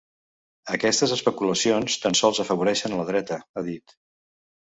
“Aquestes especulacions tan sols afavoreixen a la dreta”, ha dit.